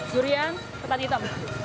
durian tetap hitam